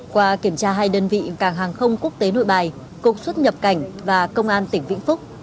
qua kiểm tra hai đơn vị cảng hàng không quốc tế nội bài cục xuất nhập cảnh và công an tỉnh vĩnh phúc